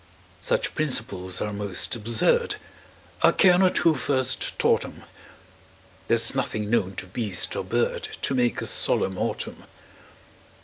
Such principles are most absurd, I care not who first taught 'em; There's nothing known to beast or bird To make a solemn autumn.